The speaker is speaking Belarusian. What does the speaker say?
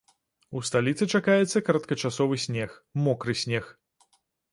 У сталіцы чакаецца кароткачасовы снег, мокры снег.